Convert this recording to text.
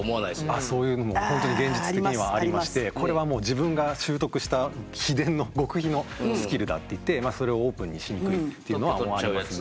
あっそういうのも本当に現実的にはありましてこれはもう自分が習得した秘伝の極秘のスキルだっていってそれをオープンにしにくいっていうのは思われますね。